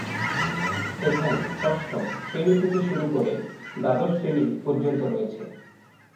এখানে ষষ্ঠ শ্রেণি থেকে শুরু করে দ্বাদশ শ্রেণি পর্যন্ত রয়েছে।